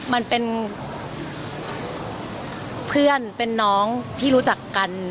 มันเป็นเพื่อนเป็นน้องที่รู้จักกัน